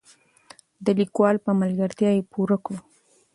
د لیکوال په ملګرتیا یې پوره کړو.